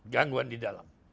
gangguan di dalam